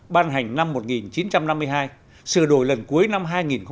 ban hành năm một nghìn chín trăm năm mươi hai sửa đổi lần cuối năm hai nghìn một mươi